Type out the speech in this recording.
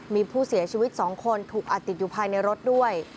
มีผู้เสียชีวิต๒คนถูกอัดติดอยู่ภายในรถด้วย